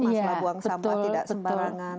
masalah buang sampah tidak sembarangan